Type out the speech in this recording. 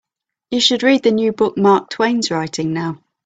You should read the new book Mark Twain's writing now.